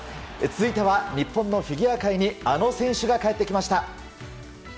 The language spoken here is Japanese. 続いては日本のフィギュア界にあの選手が帰ってきました。